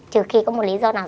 trừ khi có một lý do nào